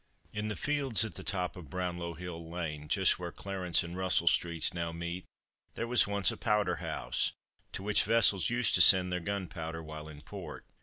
In the fields at the top of Brownlow hill lane, just where Clarence and Russell streets now meet, there was once a Powder House, to which vessels used to send their gunpowder while in port.